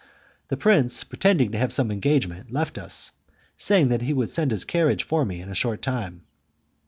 The prince, pretending to have some engagement, left us, saying that he would send his carriage for me in a short time.